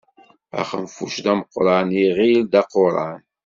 Axenfuc d ameqqṛan, iɣil d aquṛan.